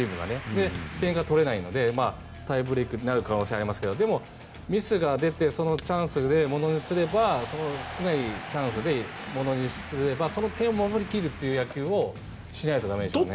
で、点が取れないのでタイブレークになる可能性はありますけどでも、ミスが出てそのチャンスをものにすれば少ないチャンスをものにすればその点を守り切るという野球をしないと駄目でしょうね。